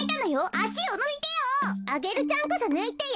アゲルちゃんこそぬいてよ。